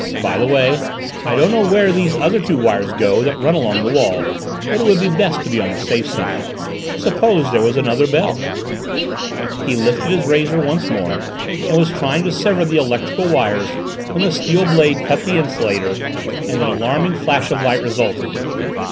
"By the way, I don't know where these other two wires go that run along the wall, but it is best to be on the safe side. Suppose there were another bell?" He lifted his razor once more and was trying to sever the electric wires when the steel blade cut the insulator and an alarming flash of light resulted.